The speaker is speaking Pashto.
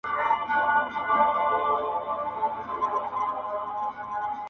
ورپسې د لويو لويو جنرالانو!.